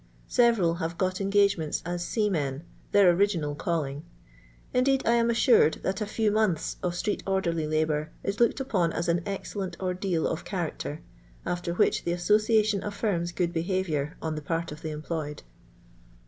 Several have got ensagements as seamen, their original calling — indeed^ I am assured, that a few months of street orderly labour is looked upon as an excellent ordeal of character, after which the Association affirms good behaviour on the part of the employed.